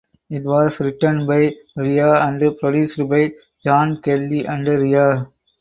It was written by Rea and produced by Jon Kelly and Rea.